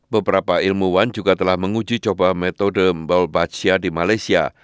beberapa ilmuwan juga telah menguji coba metode membaul baca di malaysia